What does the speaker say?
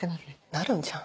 なるんじゃん。